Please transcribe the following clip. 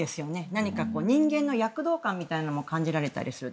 何か人間の躍動感みたいなのも感じられたりする。